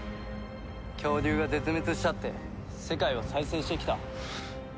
恐竜が絶滅したって世界は再生してきた。